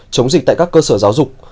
chống dịch tại các cơ sở giáo dục